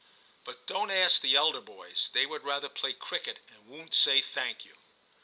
* But don't ask the elder boys ; they would rather play cricket, and won't say thank you.